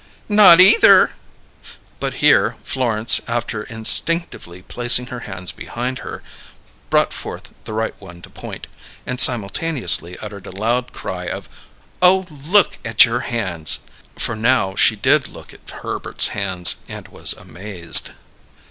"Not either!" But here Florence, after instinctively placing her hands behind her, brought forth the right one to point, and simultaneously uttered a loud cry: "Oh, look at your hands!" For now she did look at Herbert's hands, and was amazed.